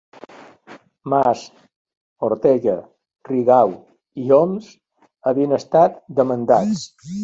Mas, Ortega, Rigau i Homs havien estat demandats